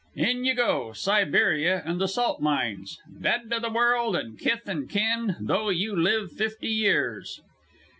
In you go, Siberia and the salt mines. Dead to the world and kith and kin, though you live fifty years."